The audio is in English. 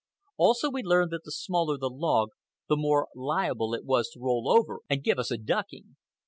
Also, we learned that the smaller the log the more liable it was to roll over and give us a ducking.